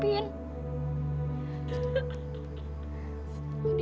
ibu jangan nangis lagi ya